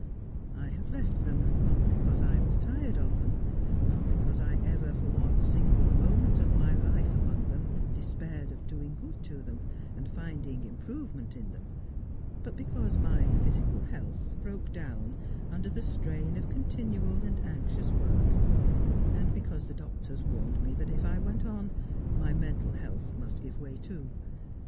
I have left 224 Just as I Am. them, not because I was tired of them, not because I ever for one single moment of my life among them despaired of doing good to them, and finding improvement in them ; but because my physical health broke down under the strain of continual and anxious work, and because the doctors warned me that if I went on my mental health must give way too.